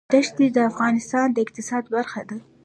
دښتې د افغانستان د اقتصاد برخه ده.